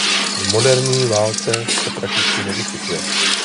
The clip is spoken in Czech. V moderní válce se prakticky nevyskytuje.